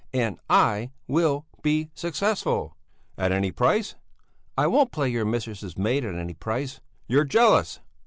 And I will be successful!" "At any price?" "I won't play your mistress's maid at any price." "You're jealous!